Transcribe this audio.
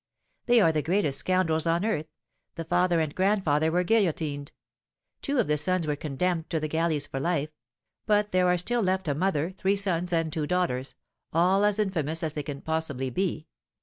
They are the greatest scoundrels on earth; the father and grandfather were guillotined; two of the sons were condemned to the galleys for life; but there are still left a mother, three sons, and two daughters, all as infamous as they can possibly be.